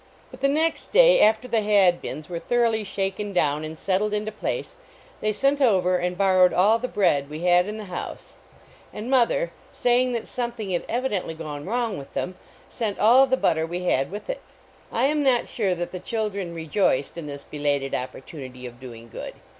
But the next day, after the Hadbins were thoroughly shaken down and settled into place, they sent over and borrowed all the bread we had in the house, and mother, say 10 145 A NEIGHBORLY NEIGHBORHOOD ing that something had evidently gone wrong with them, sent all the butter we had with it. I am not sure that the children rejoiced in this belated opportunity of doing good.